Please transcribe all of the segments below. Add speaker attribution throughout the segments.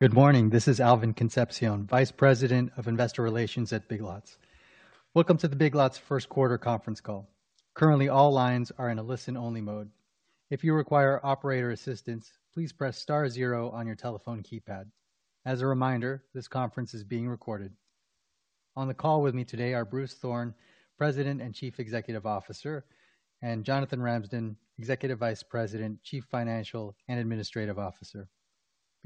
Speaker 1: Good morning. This is Alvin Concepcion, Vice President of Investor Relations at Big Lots. Welcome to the Big Lots first quarter conference call. Currently, all lines are in a listen-only mode. If you require operator assistance, please press star zero on your telephone keypad. As a reminder, this conference is being recorded. On the call with me today are Bruce Thorn, President and Chief Executive Officer, and Jonathan Ramsden, Executive Vice President, Chief Financial and Administrative Officer.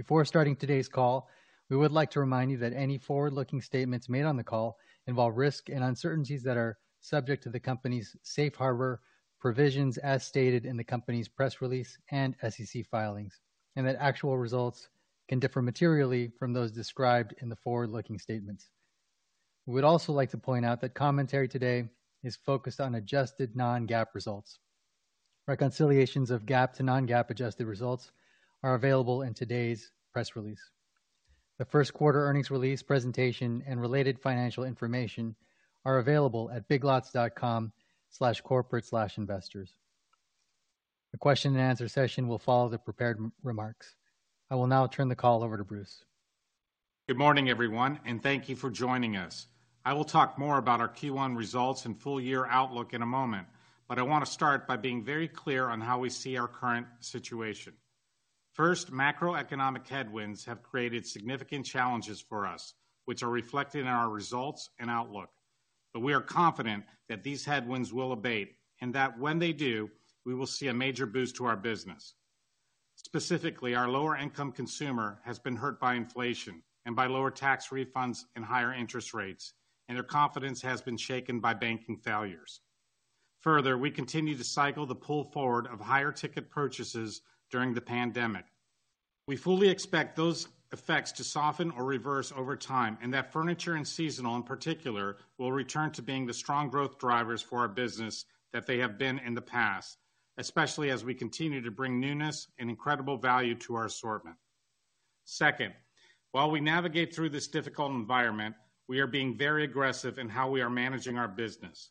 Speaker 1: Before starting today's call, we would like to remind you that any forward-looking statements made on the call involve risks and uncertainties that are subject to the company's safe harbor provisions, as stated in the company's press release and SEC filings, and that actual results can differ materially from those described in the forward-looking statements. We would also like to point out that commentary today is focused on adjusted non-GAAP results. Reconciliations of GAAP to non-GAAP adjusted results are available in today's press release. The Q1 earnings release presentation and related financial information are available at biglots.com/corporate/investors. The question and answer session will follow the prepared remarks. I will now turn the call over to Bruce.
Speaker 2: Good morning, everyone, and thank you for joining us. I will talk more about our Q1 results and full year outlook in a moment, I want to start by being very clear on how we see our current situation. First, macroeconomic headwinds have created significant challenges for us, which are reflected in our results and outlook. We are confident that these headwinds will abate, and that when they do, we will see a major boost to our business. Specifically, our lower-income consumer has been hurt by inflation and by lower tax refunds and higher interest rates, and their confidence has been shaken by banking failures. Further, we continue to cycle the pull forward of higher ticket purchases during the pandemic. We fully expect those effects to soften or reverse over time, and that furniture and seasonal, in particular, will return to being the strong growth drivers for our business that they have been in the past, especially as we continue to bring newness and incredible value to our assortment. Second, while we navigate through this difficult environment, we are being very aggressive in how we are managing our business.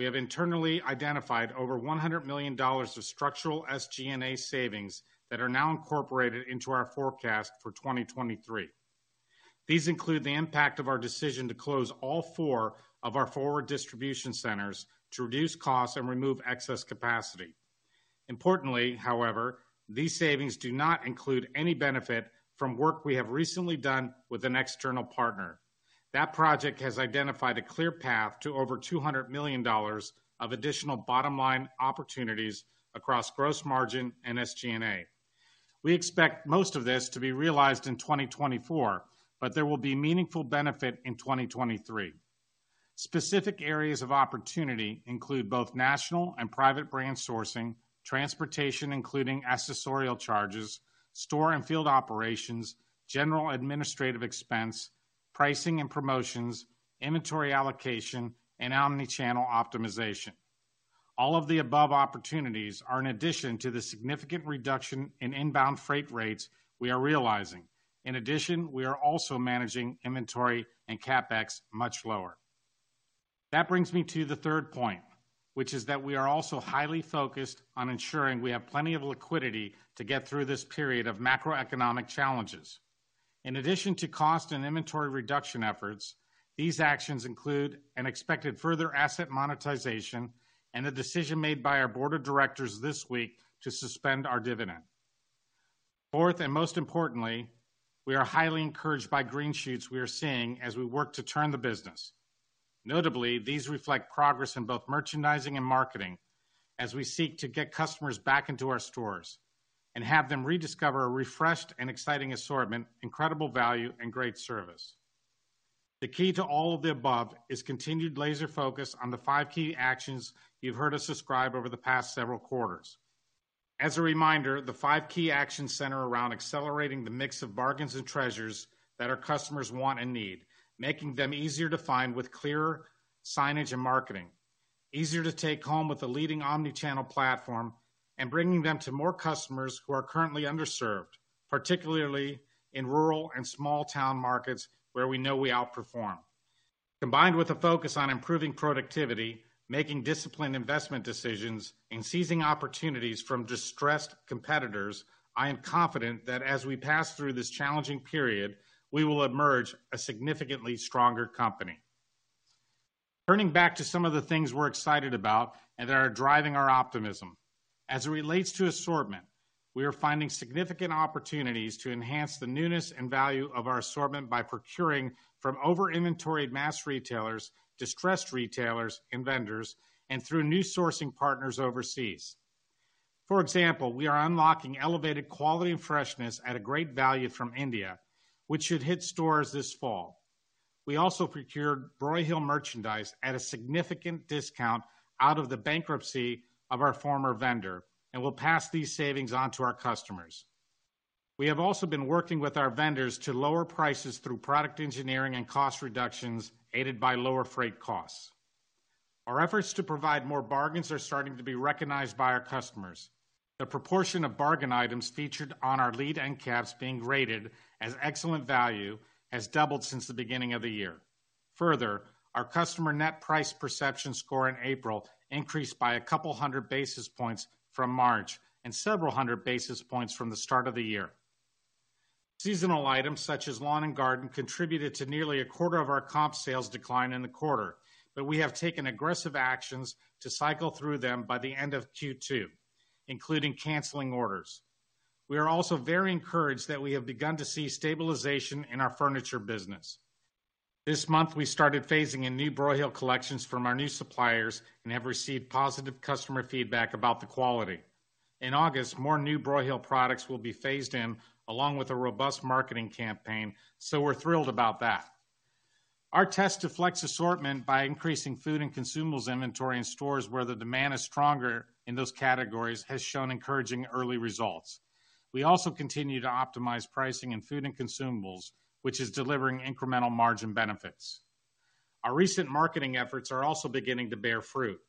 Speaker 2: We have internally identified over $100 million of structural SG&A savings that are now incorporated into our forecast for 2023. These include the impact of our decision to close all four of our forward distribution centers to reduce costs and remove excess capacity. Importantly, however, these savings do not include any benefit from work we have recently done with an external partner. That project has identified a clear path to over $200 million of additional bottom-line opportunities across gross margin and SG&A. We expect most of this to be realized in 2024, but there will be meaningful benefit in 2023. Specific areas of opportunity include both national and private brand sourcing, transportation, including accessorial charges, store and field operations, general administrative expense, pricing and promotions, inventory allocation, and omni-channel optimization. All of the above opportunities are in addition to the significant reduction in inbound freight rates we are realizing. In addition, we are also managing inventory and CapEx much lower. That brings me to the third point, which is that we are also highly focused on ensuring we have plenty of liquidity to get through this period of macroeconomic challenges. In addition to cost and inventory reduction efforts, these actions include an expected further asset monetization and a decision made by our board of directors this week to suspend our dividend. Fourth, and most importantly, we are highly encouraged by green shoots we are seeing as we work to turn the business. Notably, these reflect progress in both merchandising and marketing as we seek to get customers back into our stores and have them rediscover a refreshed and exciting assortment, incredible value, and great service. The key to all of the above is continued laser focus on the five key actions you've heard us describe over the past several quarters. As a reminder, the five key actions center around accelerating the mix of bargains and treasures that our customers want and need, making them easier to find with clearer signage and marketing, easier to take home with a leading omni-channel platform, and bringing them to more customers who are currently underserved, particularly in rural and small town markets where we know we outperform. Combined with a focus on improving productivity, making disciplined investment decisions, and seizing opportunities from distressed competitors, I am confident that as we pass through this challenging period, we will emerge a significantly stronger company. Turning back to some of the things we're excited about and that are driving our optimism. As it relates to assortment, we are finding significant opportunities to enhance the newness and value of our assortment by procuring from over-inventoried mass retailers, distressed retailers and vendors, and through new sourcing partners overseas. For example, we are unlocking elevated quality and freshness at a great value from India, which should hit stores this fall. We also procured Broyhill merchandise at a significant discount out of the bankruptcy of our former vendor, and we'll pass these savings on to our customers. We have also been working with our vendors to lower prices through product engineering and cost reductions, aided by lower freight costs. Our efforts to provide more bargains are starting to be recognized by our customers. The proportion of bargain items featured on our lead end caps being rated as excellent value has doubled since the beginning of the year. Our customer net price perception score in April increased by a couple hundred basis points from March, and several hundred basis points from the start of the year. Seasonal items, such as lawn and garden, contributed to nearly a quarter of our comp sales decline in the quarter, but we have taken aggressive actions to cycle through them by the end of Q2, including canceling orders. We are also very encouraged that we have begun to see stabilization in our furniture business. This month, we started phasing in new Broyhill collections from our new suppliers and have received positive customer feedback about the quality. In August, more new Broyhill products will be phased in, along with a robust marketing campaign, so we're thrilled about that. Our test to flex assortment by increasing food and consumables inventory in stores where the demand is stronger in those categories, has shown encouraging early results. We also continue to optimize pricing in food and consumables, which is delivering incremental margin benefits. Our recent marketing efforts are also beginning to bear fruit.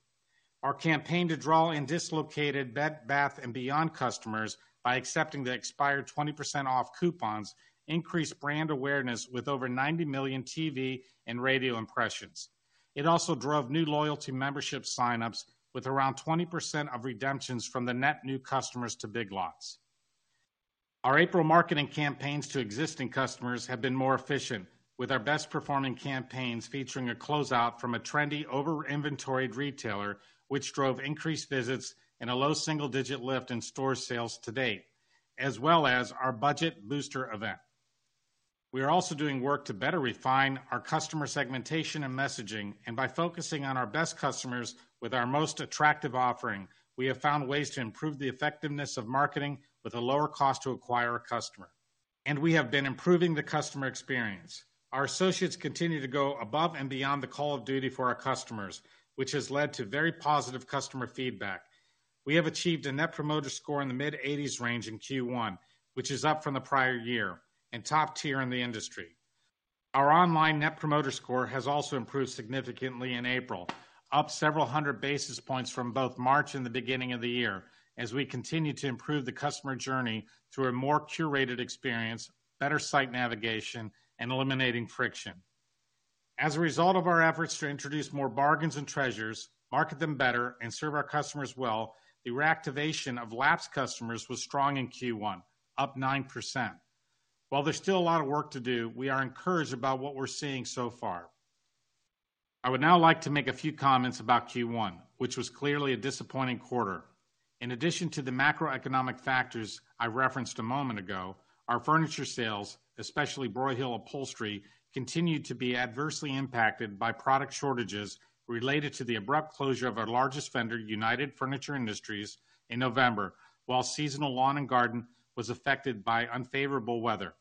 Speaker 2: Our campaign to draw in dislocated Bed Bath & Beyond customers by accepting the expired 20% off coupons, increased brand awareness with over 90 million TV and radio impressions. It also drove new loyalty membership sign-ups, with around 20% of redemptions from the net new customers to Big Lots. Our April marketing campaigns to existing customers have been more efficient, with our best-performing campaigns featuring a closeout from a trendy, over-inventoried retailer, which drove increased visits and a low single-digit lift in store sales to date, as well as our Budget Booster event. We are also doing work to better refine our customer segmentation and messaging, and by focusing on our best customers with our most attractive offering, we have found ways to improve the effectiveness of marketing with a lower cost to acquire a customer. We have been improving the customer experience. Our associates continue to go above and beyond the call of duty for our customers, which has led to very positive customer feedback. We have achieved a Net Promoter Score in the mid-80s range in Q1, which is up from the prior year and top tier in the industry. Our online Net Promoter Score has also improved significantly in April, up several hundred basis points from both March and the beginning of the year, as we continue to improve the customer journey through a more curated experience, better site navigation, and eliminating friction. As a result of our efforts to introduce more bargains and treasures, market them better, and serve our customers well, the reactivation of lapsed customers was strong in Q1, up 9%. While there's still a lot of work to do, we are encouraged about what we're seeing so far. I would now like to make a few comments about Q1, which was clearly a disappointing quarter. In addition to the macroeconomic factors I referenced a moment ago, our furniture sales, especially Broyhill Upholstery, continued to be adversely impacted by product shortages related to the abrupt closure of our largest vendor, United Furniture Industries, in November, while seasonal lawn and garden was affected by unfavorable weather.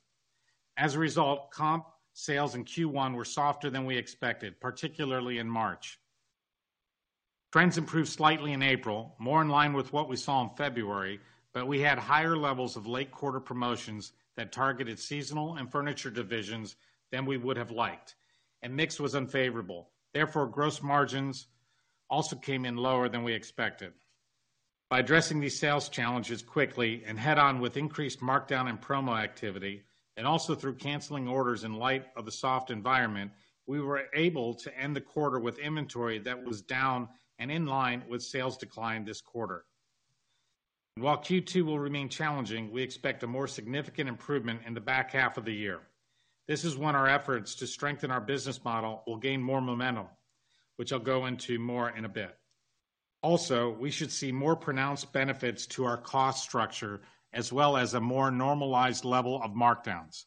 Speaker 2: As a result, comp sales in Q1 were softer than we expected, particularly in March. Trends improved slightly in April, more in line with what we saw in February. We had higher levels of late-quarter promotions that targeted seasonal and furniture divisions than we would have liked, and mix was unfavorable. Gross margins also came in lower than we expected. By addressing these sales challenges quickly and head-on, with increased markdown and promo activity, and also through canceling orders in light of the soft environment, we were able to end the quarter with inventory that was down and in line with sales decline this quarter. While Q2 will remain challenging, we expect a more significant improvement in the back half of the year. This is when our efforts to strengthen our business model will gain more momentum, which I'll go into more in a bit. We should see more pronounced benefits to our cost structure, as well as a more normalized level of markdowns.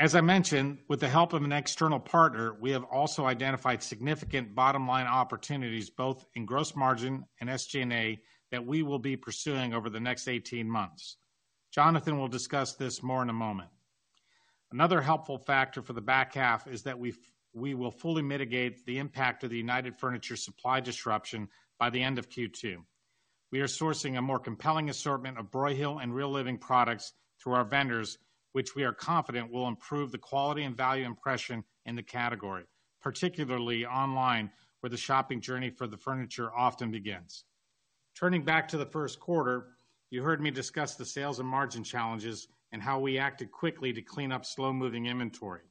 Speaker 2: As I mentioned, with the help of an external partner, we have also identified significant bottom-line opportunities, both in gross margin and SG&A, that we will be pursuing over the next 18 months. Jonathan will discuss this more in a moment. Another helpful factor for the back half is that we will fully mitigate the impact of the United Furniture supply disruption by the end of Q2. We are sourcing a more compelling assortment of Broyhill and Real Living products through our vendors, which we are confident will improve the quality and value impression in the category, particularly online, where the shopping journey for the furniture often begins. Turning back to the Q1, you heard me discuss the sales and margin challenges and how we acted quickly to clean up slow-moving inventory.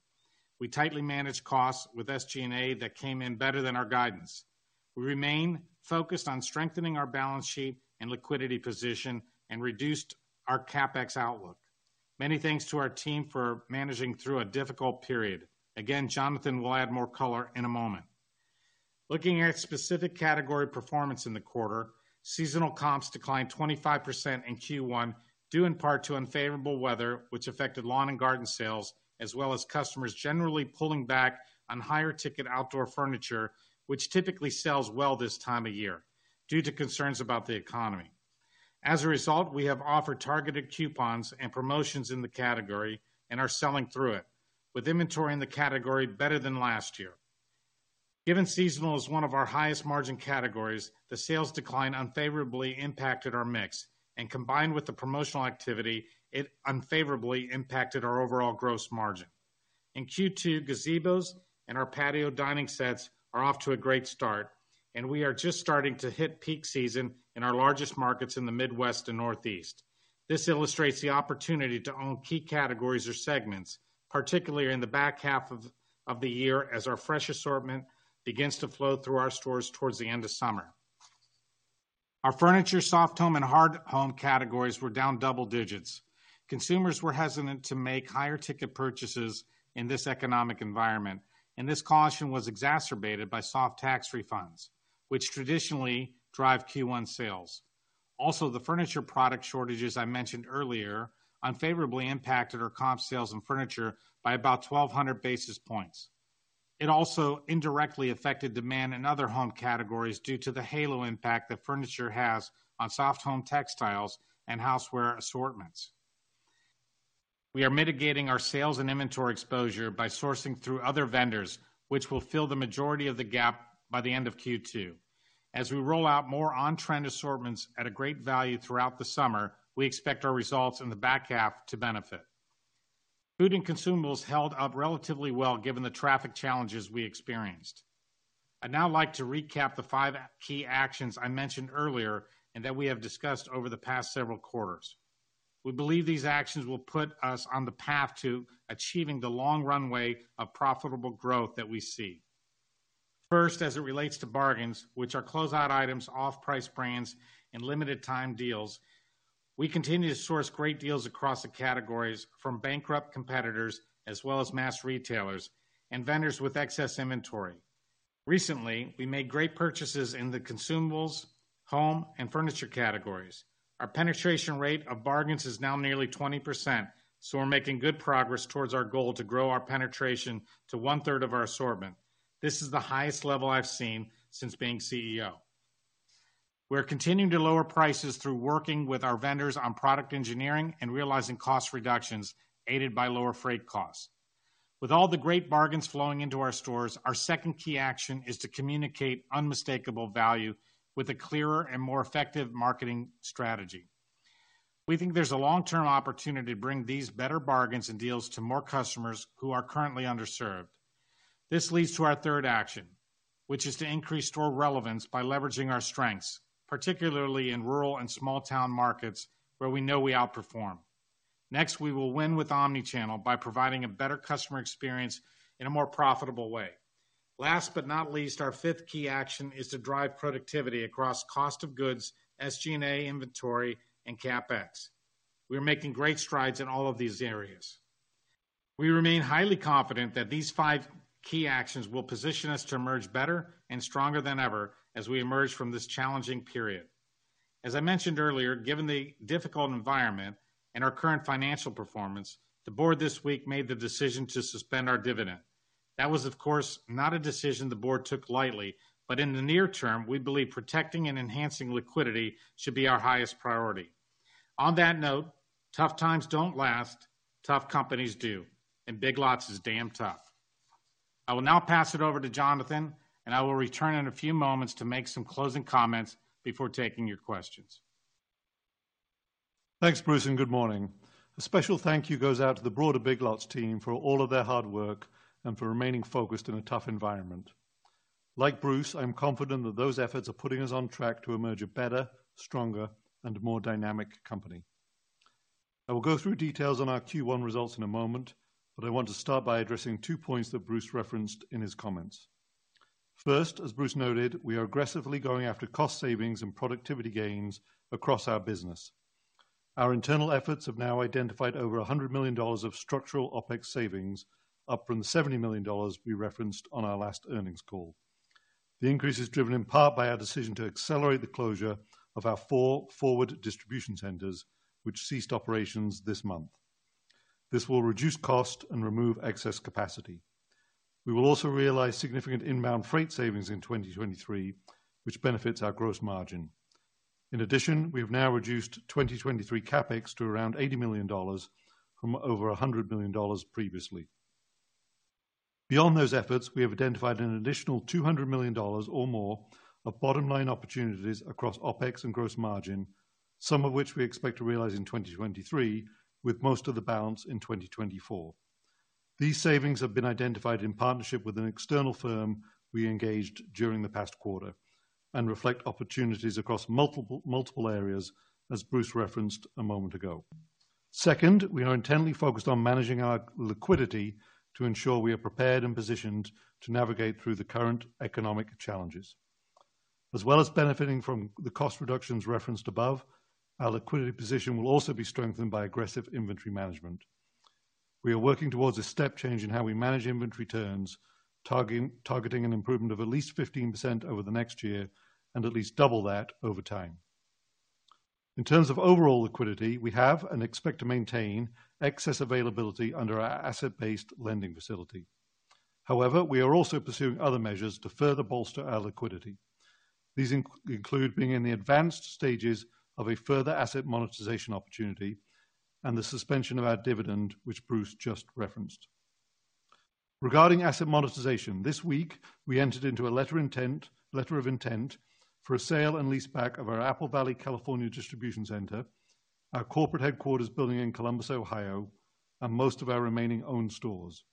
Speaker 2: We tightly managed costs with SG&A that came in better than our guidance. We remain focused on strengthening our balance sheet and liquidity position and reduced our CapEx outlook. Many thanks to our team for managing through a difficult period. Jonathan will add more color in a moment. Looking at specific category performance in the quarter, seasonal comps declined 25% in Q1, due in part to unfavorable weather, which affected lawn and garden sales, as well as customers generally pulling back on higher-ticket outdoor furniture, which typically sells well this time of year, due to concerns about the economy. As a result, we have offered targeted coupons and promotions in the category and are selling through it, with inventory in the category better than last year. Given seasonal is one of our highest margin categories, the sales decline unfavorably impacted our mix, and combined with the promotional activity, it unfavorably impacted our overall gross margin. In Q2, gazebos and our patio dining sets are off to a great start, and we are just starting to hit peak season in our largest markets in the Midwest and Northeast. This illustrates the opportunity to own key categories or segments, particularly in the back half of the year, as our fresh assortment begins to flow through our stores towards the end of summer. Our furniture, soft home, and hard home categories were down double digits. Consumers were hesitant to make higher ticket purchases in this economic environment. This caution was exacerbated by soft tax refunds, which traditionally drive Q1 sales. The furniture product shortages I mentioned earlier, unfavorably impacted our comp sales and furniture by about 1,200 basis points. It also indirectly affected demand in other home categories due to the halo impact that furniture has on soft home textiles and houseware assortments. We are mitigating our sales and inventory exposure by sourcing through other vendors, which will fill the majority of the gap by the end of Q2. As we roll out more on-trend assortments at a great value throughout the summer, we expect our results in the back half to benefit. Food and consumables held up relatively well, given the traffic challenges we experienced. I'd now like to recap the five key actions I mentioned earlier and that we have discussed over the past several quarters. We believe these actions will put us on the path to achieving the long runway of profitable growth that we see. First, as it relates to bargains, which are closeout items, off-price brands, and limited time deals, we continue to source great deals across the categories from bankrupt competitors as well as mass retailers and vendors with excess inventory. Recently, we made great purchases in the consumables, home, and furniture categories. Our penetration rate of bargains is now nearly 20%, so we're making good progress towards our goal to grow our penetration to one-third of our assortment. This is the highest level I've seen since being CEO. We're continuing to lower prices through working with our vendors on product engineering and realizing cost reductions, aided by lower freight costs. With all the great bargains flowing into our stores, our second key action is to communicate unmistakable value with a clearer and more effective marketing strategy. We think there's a long-term opportunity to bring these better bargains and deals to more customers who are currently underserved. This leads to our third action, which is to increase store relevance by leveraging our strengths, particularly in rural and small town markets where we know we outperform. Next, we will win with omnichannel by providing a better customer experience in a more profitable way. Last, but not least, our fifth key action is to drive productivity across cost of goods, SG&A inventory, and CapEx. We are making great strides in all of these areas. We remain highly confident that these five key actions will position us to emerge better and stronger than ever as we emerge from this challenging period. I mentioned earlier, given the difficult environment and our current financial performance, the board this week made the decision to suspend our dividend. That was, of course, not a decision the board took lightly, but in the near term, we believe protecting and enhancing liquidity should be our highest priority. On that note, tough times don't last, tough companies do, and Big Lots is damn tough. I will now pass it over to Jonathan, and I will return in a few moments to make some closing comments before taking your questions.
Speaker 3: Thanks, Bruce. Good morning. A special thank you goes out to the broader Big Lots team for all of their hard work and for remaining focused in a tough environment. Like Bruce, I'm confident that those efforts are putting us on track to emerge a better, stronger, and more dynamic company. I will go through details on our Q1 results in a moment. I want to start by addressing two points that Bruce referenced in his comments. First, as Bruce noted, we are aggressively going after cost savings and productivity gains across our business. Our internal efforts have now identified over $100 million of structural OpEx savings, up from the $70 million we referenced on our last earnings call. The increase is driven in part by our decision to accelerate the closure of our four forward distribution centers, which ceased operations this month. This will reduce cost and remove excess capacity. We will also realize significant inbound freight savings in 2023, which benefits our gross margin. In addition, we have now reduced 2023 CapEx to around $80 million from over $100 million previously. Beyond those efforts, we have identified an additional $200 million or more of bottom line opportunities across OpEx and gross margin, some of which we expect to realize in 2023, with most of the balance in 2024. These savings have been identified in partnership with an external firm we engaged during the past quarter, and reflect opportunities across multiple areas, as Bruce referenced a moment ago. Second, we are intently focused on managing our liquidity to ensure we are prepared and positioned to navigate through the current economic challenges. As well as benefiting from the cost reductions referenced above, our liquidity position will also be strengthened by aggressive inventory management. We are working towards a step change in how we manage inventory turns, targeting an improvement of at least 15% over the next year, and at least double that over time. In terms of overall liquidity, we have and expect to maintain excess availability under our asset-based lending facility. However, we are also pursuing other measures to further bolster our liquidity. These include being in the advanced stages of a further asset monetization opportunity and the suspension of our dividend, which Bruce just referenced. Regarding asset monetization, this week, we entered into a letter of intent for a sale-leaseback of our Apple Valley, California, distribution center, our corporate headquarters building in Columbus, Ohio, and most of our remaining own stores.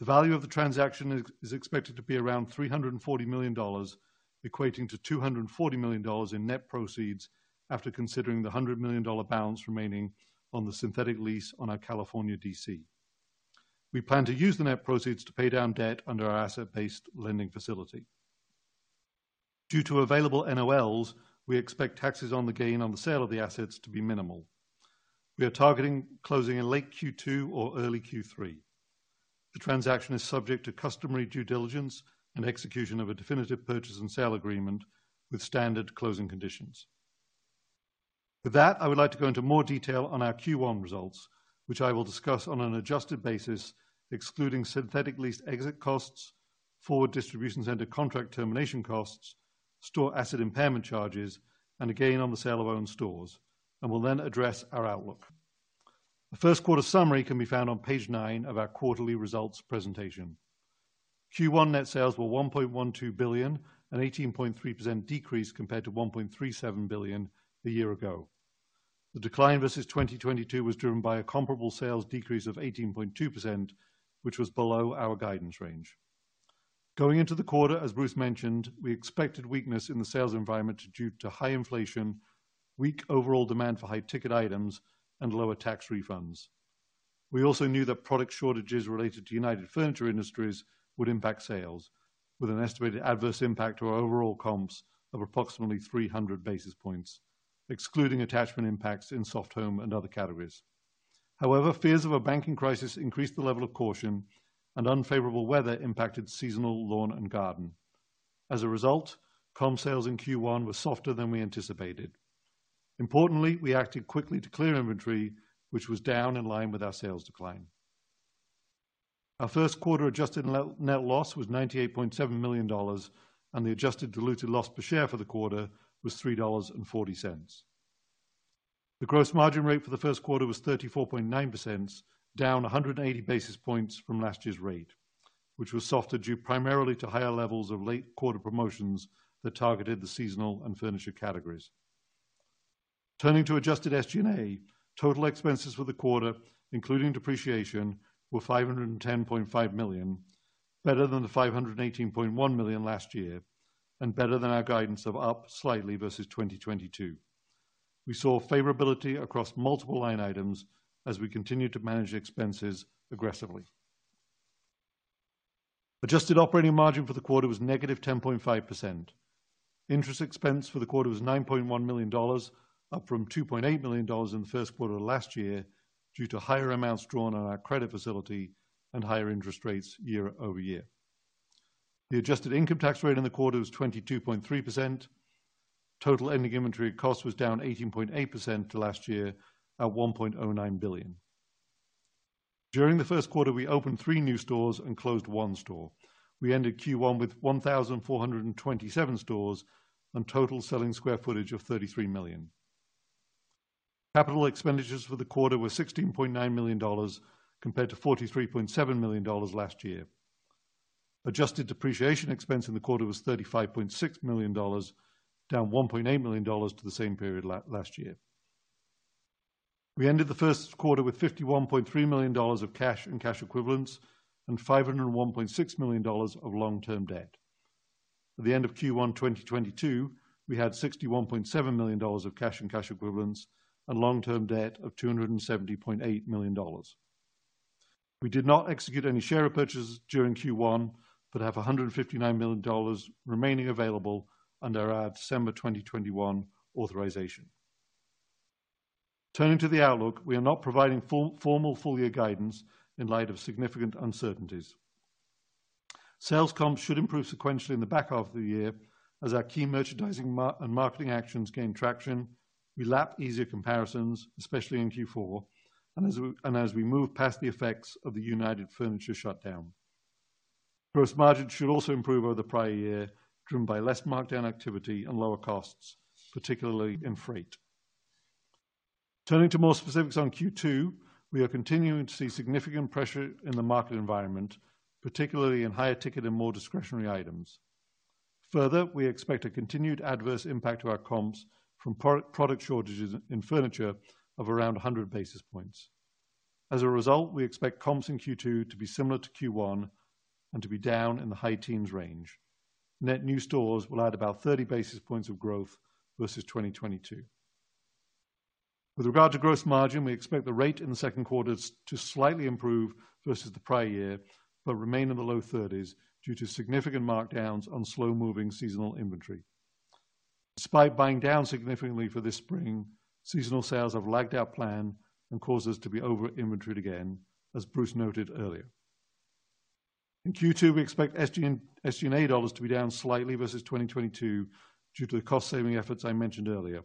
Speaker 3: The value of the transaction is expected to be around $340 million, equating to $240 million in net proceeds after considering the $100 million balance remaining on the synthetic lease on our California DC. We plan to use the net proceeds to pay down debt under our asset-based lending facility. Due to available NOLs, we expect taxes on the gain on the sale of the assets to be minimal. We are targeting closing in late Q2 or early Q3. The transaction is subject to customary due diligence and execution of a definitive purchase and sale agreement with standard closing conditions. With that, I would like to go into more detail on our Q1 results, which I will discuss on an adjusted basis, excluding synthetic lease exit costs, forward distribution center contract termination costs, store asset impairment charges, and a gain on the sale of own stores, and will then address our outlook. The Q1 summary can be found on page nine of our quarterly results presentation. Q1 net sales were $1.12 billion, an 18.3% decrease compared to $1.37 billion a year ago. The decline versus 2022 was driven by a comparable sales decrease of 18.2%, which was below our guidance range. Going into the quarter, as Bruce mentioned, we expected weakness in the sales environment due to high inflation, weak overall demand for high ticket items, and lower tax refunds. We also knew that product shortages related to United Furniture Industries would impact sales, with an estimated adverse impact to our overall comps of approximately 300 basis points, excluding attachment impacts in soft home and other categories. However, fears of a banking crisis increased the level of caution, and unfavorable weather impacted seasonal lawn and garden. As a result, comp sales in Q1 were softer than we anticipated. Importantly, we acted quickly to clear inventory, which was down in line with our sales decline. Our Q1 adjusted net loss was $98.7 million, and the adjusted diluted loss per share for the quarter was $3.40. The gross margin rate for the Q1 was 34.9%, down 180 basis points from last year's rate, which was softer, due primarily to higher levels of late quarter promotions that targeted the seasonal and furniture categories. Turning to adjusted SG&A, total expenses for the quarter, including depreciation, were $510.5 million, better than the $518.1 million last year. Better than our guidance of up slightly versus 2022. We saw favorability across multiple line items as we continued to manage expenses aggressively. Adjusted operating margin for the quarter was -10.5%. Interest expense for the quarter was $9.1 million, up from $2.8 million in the Q1 of last year, due to higher amounts drawn on our credit facility and higher interest rates year-over-year. The adjusted income tax rate in the quarter was 22.3%. Total ending inventory cost was down 18.8% to last year at $1.09 billion. During the Q1, we opened three new stores and closed one store. We ended Q1 with 1,427 stores and total selling sq ft of 33 million. Capital expenditures for the quarter were $16.9 million compared to $43.7 million last year. Adjusted depreciation expense in the quarter was $35.6 million, down $1.8 million to the same period last year. We ended the Q1 with $51.3 million of cash and cash equivalents and $501.6 million of long-term debt. At the end of Q1 2022, we had $61.7 million of cash and cash equivalents and long-term debt of $270.8 million. We did not execute any share repurchases during Q1, but have $159 million remaining available under our December 2021 authorization. Turning to the outlook, we are not providing formal full year guidance in light of significant uncertainties. Sales comps should improve sequentially in the back half of the year as our key merchandising and marketing actions gain traction, we lap easier comparisons, especially in Q4, and as we move past the effects of the United Furniture shutdown. Gross margin should also improve over the prior year, driven by less markdown activity and lower costs, particularly in freight. Turning to more specifics on Q2, we are continuing to see significant pressure in the market environment, particularly in higher ticket and more discretionary items. Further, we expect a continued adverse impact to our comps from pro- product shortages in furniture of around 100 basis points. As a result, we expect comps in Q2 to be similar to Q1 and to be down in the high teens range. Net new stores will add about 30 basis points of growth versus 2022. With regard to gross margin, we expect the rate in the Q2 to slightly improve versus the prior year, but remain in the low 30s due to significant markdowns on slow-moving seasonal inventory. Despite buying down significantly for this spring, seasonal sales have lagged our plan and caused us to be over inventoried again, as Bruce noted earlier. In Q2, we expect SG&A dollars to be down slightly versus 2022 due to the cost-saving efforts I mentioned earlier,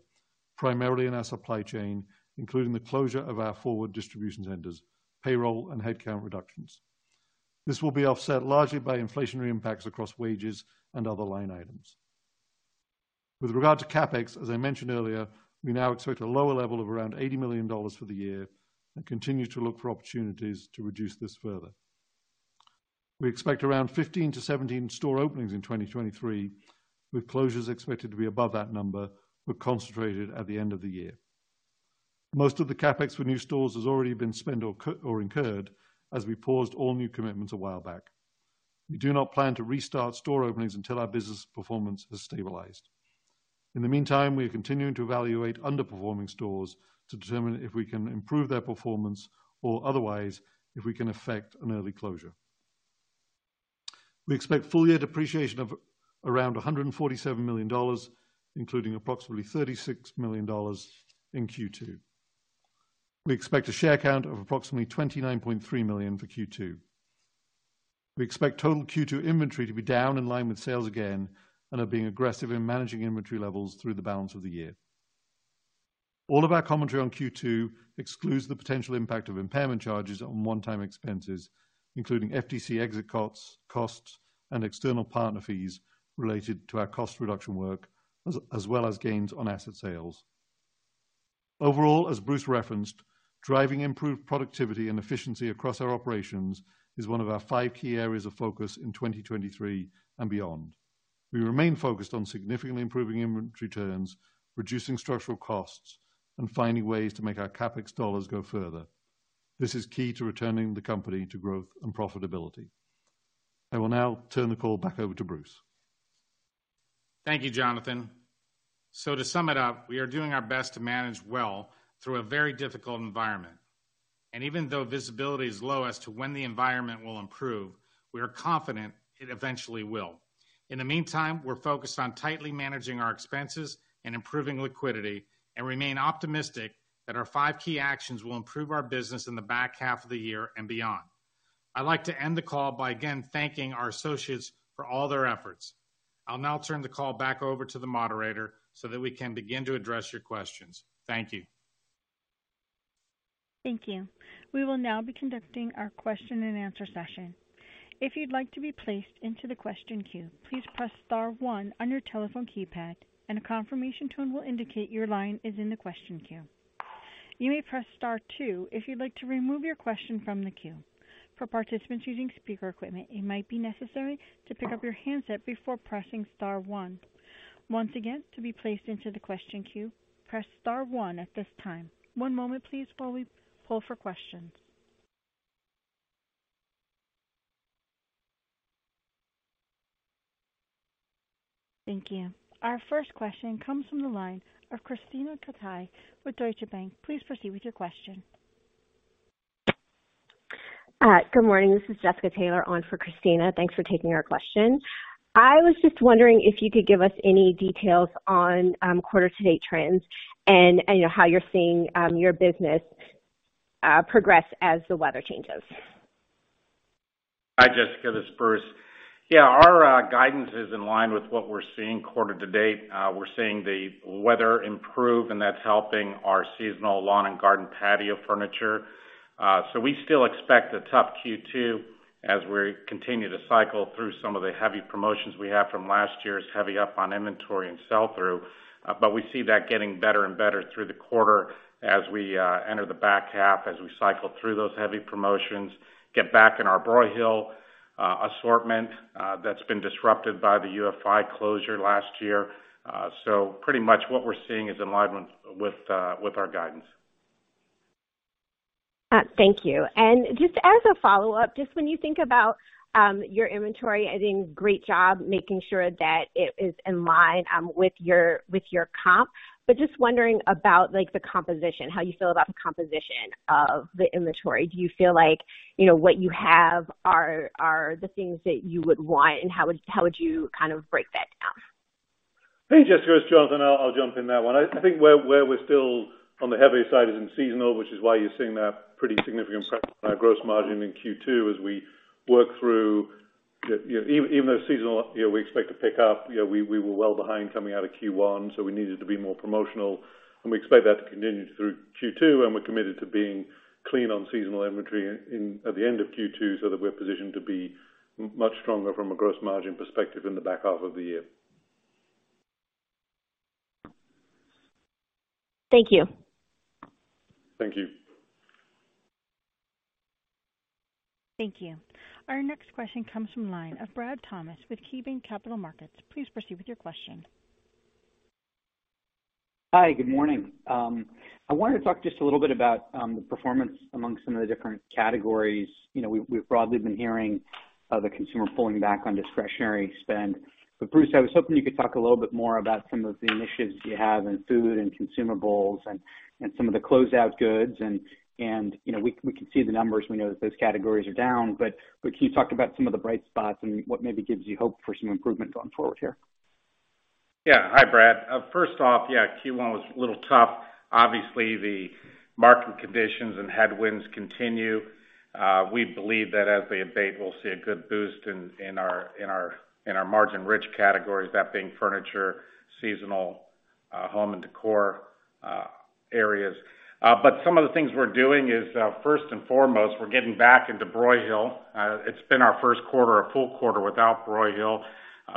Speaker 3: primarily in our supply chain, including the closure of our forward distribution centers, payroll and headcount reductions. This will be offset largely by inflationary impacts across wages and other line items. With regard to CapEx, as I mentioned earlier, we now expect a lower level of around $80 million for the year and continue to look for opportunities to reduce this further. We expect around 15-17 store openings in 2023, with closures expected to be above that number, but concentrated at the end of the year. Most of the CapEx for new stores has already been spent or incurred as we paused all new commitments a while back. We do not plan to restart store openings until our business performance has stabilized. In the meantime, we are continuing to evaluate underperforming stores to determine if we can improve their performance or otherwise, if we can affect an early closure. We expect full year depreciation of around $147 million, including approximately $36 million in Q2. We expect a share count of approximately 29.3 million for Q2. We expect total Q2 inventory to be down in line with sales again, and are being aggressive in managing inventory levels through the balance of the year. All of our commentary on Q2 excludes the potential impact of impairment charges on one-time expenses, including STC exit costs and external partner fees related to our cost reduction work, as well as gains on asset sales. Overall, as Bruce referenced, driving improved productivity and efficiency across our operations is one of our five key areas of focus in 2023 and beyond. We remain focused on significantly improving inventory turns, reducing structural costs, and finding ways to make our CapEx dollars go further. This is key to returning the company to growth and profitability. I will now turn the call back over to Bruce.
Speaker 2: Thank you, Jonathan. To sum it up, we are doing our best to manage well through a very difficult environment. Even though visibility is low as to when the environment will improve, we are confident it eventually will. In the meantime, we're focused on tightly managing our expenses and improving liquidity, and remain optimistic that our five key actions will improve our business in the back half of the year and beyond. I'd like to end the call by again thanking our associates for all their efforts. I'll now turn the call back over to the moderator so that we can begin to address your questions. Thank you.
Speaker 4: Thank you. We will now be conducting our question and answer session. If you'd like to be placed into the question queue, please press star one on your telephone keypad, and a confirmation tone will indicate your line is in the question queue. You may press star two if you'd like to remove your question from the queue. For participants using speaker equipment, it might be necessary to pick up your handset before pressing star one. Once again, to be placed into the question queue, press star one at this time. One moment, please, while we pull for questions. Thank you. Our first question comes from the line of Krisztina Katai with Deutsche Bank. Please proceed with your question.
Speaker 5: Good morning. This is Jessica Taylor on for Christina. Thanks for taking our question. I was just wondering if you could give us any details on quarter-to-date trends and, you know, how you're seeing your business progress as the weather changes?
Speaker 2: Hi, Jessica, this is Bruce. Yeah, our guidance is in line with what we're seeing quarter to date. We're seeing the weather improve, and that's helping our seasonal lawn and garden patio furniture. We still expect a tough Q2 as we continue to cycle through some of the heavy promotions we have from last year's heavy up on inventory and sell-through. We see that getting better and better through the quarter as we enter the back half, as we cycle through those heavy promotions, get back in our Broyhill assortment, that's been disrupted by the UFI closure last year. Pretty much what we're seeing is in line with our guidance.
Speaker 5: Thank you. Just as a follow-up, just when you think about your inventory, I think great job making sure that it is in line with your comp. Just wondering about, like, the composition, how you feel about the composition of the inventory. Do you feel like, you know, what you have are the things that you would want, and how would you kind of break that down?
Speaker 3: Hey, Jessica, it's Jonathan. I'll jump in that one. I think where we're still on the heavier side is in seasonal, which is why you're seeing that pretty significant pressure on our gross margin in Q2 as we work through the. You know, even though seasonal, you know, we expect to pick up, you know, we were well behind coming out of Q1, so we needed to be more promotional, and we expect that to continue through Q2, and we're committed to being clean on seasonal inventory in, at the end of Q2, so that we're positioned to be much stronger from a gross margin perspective in the back half of the year.
Speaker 5: Thank you.
Speaker 3: Thank you.
Speaker 4: Thank you. Our next question comes from line of Brad Thomas with KeyBanc Capital Markets. Please proceed with your question.
Speaker 6: Hi, good morning. I wanted to talk just a little bit about the performance amongst some of the different categories. You know, we've broadly been hearing of the consumer pulling back on discretionary spend. Bruce, I was hoping you could talk a little bit more about some of the initiatives you have in food and consumables and some of the closed out goods. You know, we can see the numbers. We know that those categories are down, but can you talk about some of the bright spots and what maybe gives you hope for some improvement going forward here?
Speaker 2: Hi, Brad. First off, Q1 was a little tough. Obviously, the market conditions and headwinds continue. We believe that as they abate, we'll see a good boost in our margin-rich categories, that being furniture, seasonal, home and decor areas. Some of the things we're doing is, first and foremost, we're getting back into Broyhill. It's been our Q1, a full quarter without Broyhill.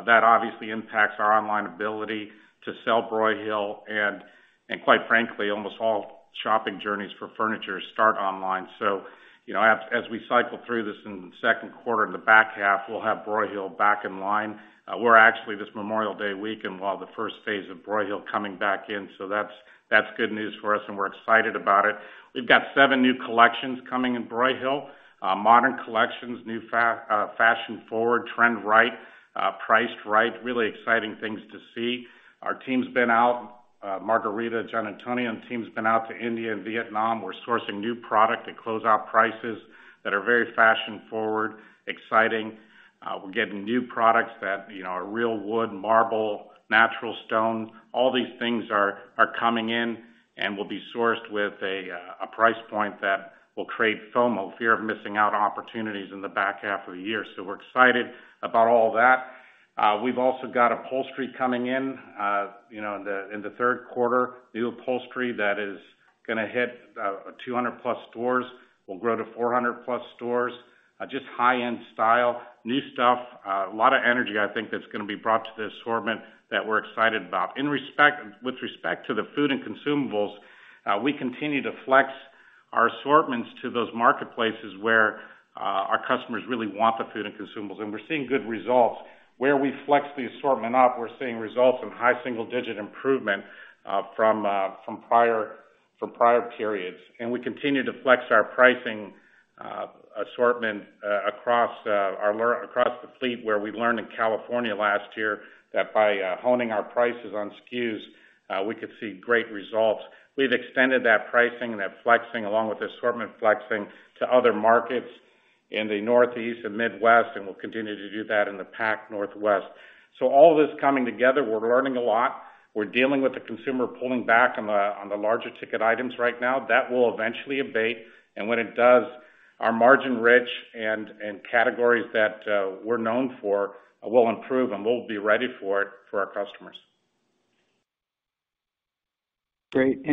Speaker 2: That obviously impacts our online ability to sell Broyhill, and quite frankly, almost all shopping journeys for furniture start online. You know, as we cycle through this in the Q2, in the back half, we'll have Broyhill back in line. We're actually, this Memorial Day weekend, while the first phase of Broyhill coming back in, that's good news for us, and we're excited about it. We've got seven new collections coming in Broyhill, modern collections, new fashion forward, trend right, priced right. Really exciting things to see. Our team's been out, Margarita, John, and Tony, and team's been out to India and Vietnam. We're sourcing new product to close out prices that are very fashion forward, exciting. We're getting new products that, you know, are real wood, marble, natural stone. All these things are coming in and will be sourced with a price point that will create FOMO, fear of missing out on opportunities in the back half of the year. We're excited about all that. We've also got upholstery coming in, you know, in the Q3, new upholstery that is gonna hit, 200 plus stores, will grow to 400 plus stores. Just high-end style, new stuff, a lot of energy, I think, that's gonna be brought to the assortment that we're excited about. With respect to the food and consumables, we continue to flex our assortments to those marketplaces where our customers really want the food and consumables, and we're seeing good results. Where we flex the assortment up, we're seeing results in high single-digit improvement from prior periods. We continue to flex our pricing, assortment, across the fleet, where we learned in California last year that by honing our prices on SKUs, we could see great results. We've extended that pricing and that flexing, along with the assortment flexing, to other markets in the Northeast and Midwest, and we'll continue to do that in the Pac Northwest. All this coming together, we're learning a lot. We're dealing with the consumer pulling back on the larger ticket items right now. That will eventually abate, and when it does, our margin rich and categories that we're known for will improve, and we'll be ready for it for our customers.
Speaker 6: Great.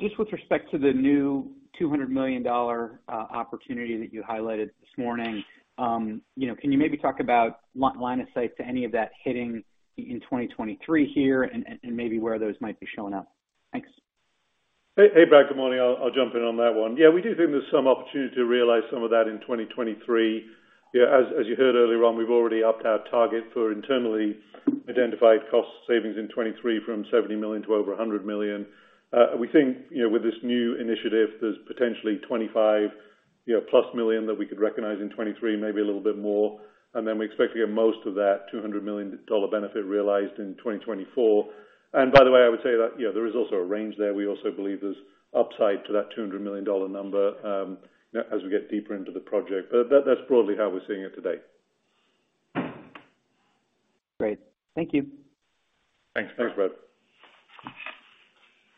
Speaker 6: just with respect to the new $200 million opportunity that you highlighted this morning, you know, can you maybe talk about line of sight to any of that hitting in 2023 here and maybe where those might be showing up? Thanks.
Speaker 3: Hey, hey, Brad. Good morning. I'll jump in on that one. Yeah, we do think there's some opportunity to realize some of that in 2023. As you heard earlier on, we've already upped our target for internally identified cost savings in 2023 from $70 million to over $100 million. We think, you know, with this new initiative, there's potentially $25 million, you know, plus million that we could recognize in 2023, maybe a little bit more, and then we expect to get most of that $200 million benefit realized in 2024. By the way, I would say that, yeah, there is also a range there. We also believe there's upside to that $200 million number, as we get deeper into the project. That's broadly how we're seeing it today.
Speaker 6: Great. Thank you.
Speaker 3: Thanks, Brad.
Speaker 2: Thanks, Brad.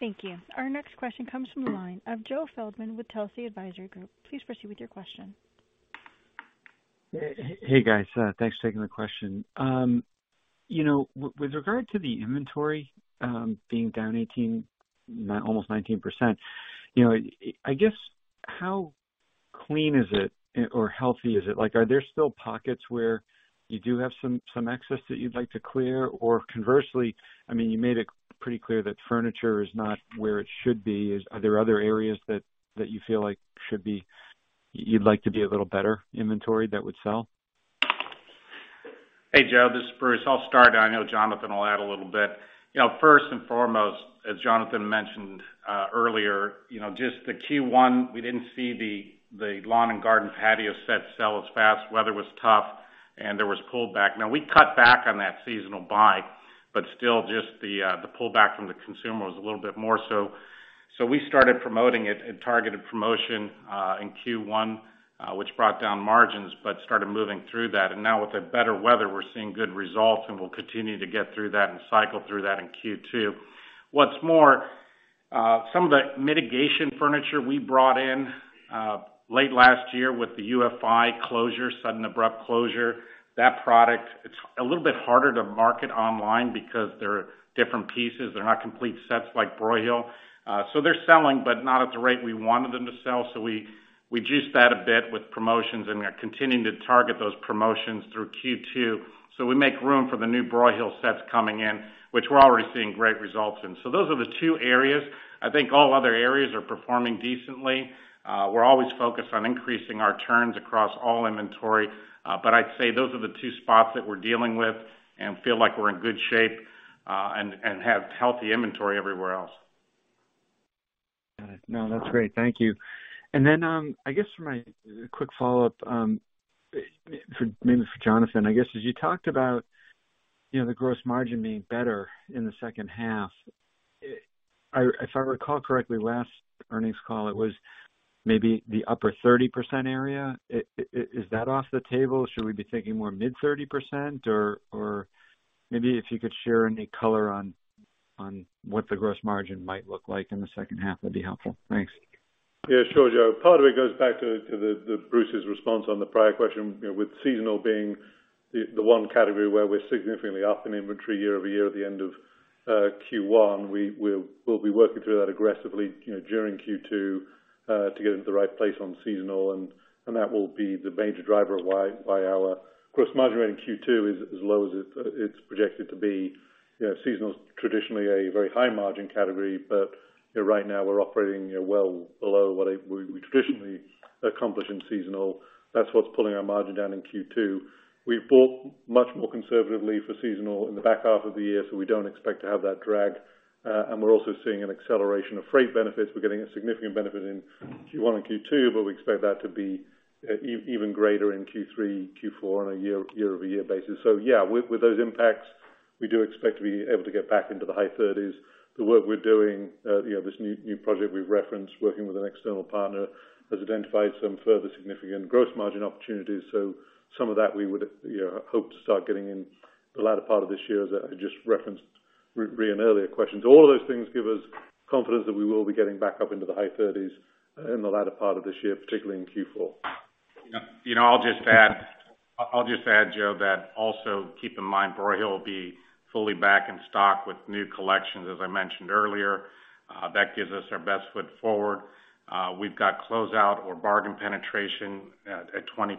Speaker 4: Thank you. Our next question comes from the line of Joe Feldman with Telsey Advisory Group. Please proceed with your question.
Speaker 7: Hey, hey, guys, thanks for taking the question. You know, with regard to the inventory, being down 18, almost 19%, you know, I guess, how clean is it or healthy is it? Like, are there still pockets where you do have some excess that you'd like to clear? Or conversely, I mean, you made it pretty clear that furniture is not where it should be. Are there other areas that you feel like should be... You'd like to be a little better inventory that would sell?
Speaker 2: Hey, Joe, this is Bruce. I'll start, I know Jonathan will add a little bit. You know, first and foremost, as Jonathan mentioned earlier, you know, just the Q1, we didn't see the lawn and garden patio set sell as fast. Weather was tough, and there was pullback. Now, we cut back on that seasonal buy, but still, just the pullback from the consumer was a little bit more. We started promoting it, a targeted promotion in Q1, which brought down margins, but started moving through that. Now, with the better weather, we're seeing good results, and we'll continue to get through that and cycle through that in Q2. What's more, some of the mitigation furniture we brought in late last year with the UFI closure, sudden abrupt closure, that product, it's a little bit harder to market online because they're different pieces. They're not complete sets like Broyhill. They're selling, but not at the rate we wanted them to sell. We juiced that a bit with promotions, and we're continuing to target those promotions through Q2. We make room for the new Broyhill sets coming in, which we're already seeing great results in. Those are the two areas. I think all other areas are performing decently. We're always focused on increasing our turns across all inventory. I'd say those are the two spots that we're dealing with and feel like we're in good shape, and have healthy inventory everywhere else.
Speaker 7: Got it. No, that's great. Thank you. Then, I guess for my quick follow-up, for maybe for Jonathan, I guess, as you talked about, you know, the gross margin being better in the second half, if I recall correctly, last earnings call, it was maybe the upper 30% area. Is that off the table? Should we be thinking more mid 30%? Or maybe if you could share any color on what the gross margin might look like in the second half, that'd be helpful. Thanks.
Speaker 3: Yeah, sure, Joe. Part of it goes back to Bruce's response on the prior question. You know, with seasonal being the one category where we're significantly up in inventory year-over-year at the end of Q1, we'll be working through that aggressively, you know, during Q2 to get into the right place on seasonal, and that will be the major driver of why our gross margin rate in Q2 is as low as it's projected to be. You know, seasonal is traditionally a very high margin category, but, you know, right now we're operating, you know, well below what we traditionally accomplish in seasonal. That's what's pulling our margin down in Q2. We've bought much more conservatively for seasonal in the back half of the year, so we don't expect to have that drag. And we're also seeing an acceleration of freight benefits. We're getting a significant benefit in Q1 and Q2, but we expect that to be even greater in Q3, Q4 on a year-over-year basis. Yeah, with those impacts, we do expect to be able to get back into the high thirties. The work we're doing, you know, this new project we've referenced, working with an external partner, has identified some further significant gross margin opportunities. Some of that we would, you know, hope to start getting in the latter part of this year, as I just referenced, in earlier questions. All of those things give us confidence that we will be getting back up into the high thirties in the latter part of this year, particularly in Q4.
Speaker 2: You know, I'll just add, Joe, that also keep in mind, Broyhill will be fully back in stock with new collections, as I mentioned earlier. That gives us our best foot forward. We've got closeout or bargain penetration at 20%.